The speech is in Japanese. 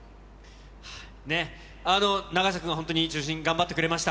永瀬君が本当に、中心に頑張ってくれました。